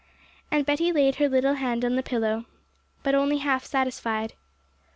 And Betty laid her little head on the pillow, but only half satisfied.